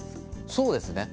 そうですね。